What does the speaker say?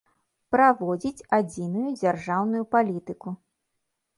Праводзiць адзiную дзяржаўную палiтыку.